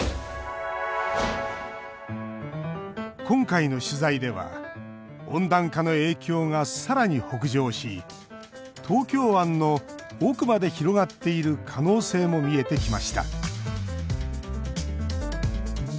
今回の取材では温暖化の影響がさらに北上し東京湾の奥まで広がっている可能性も見えてきました。